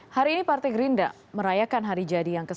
hari ini partai gerindra merayakan hari jadi yang ke tujuh puluh